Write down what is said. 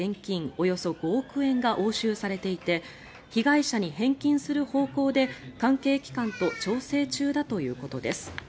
およそ５億円が押収されていて被害者に返金する方向で関係機関と調整中だということです。